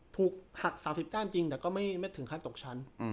ถูกหัก๓๙จริงแต่ก็ไม่ถึงขั้นตกชั้น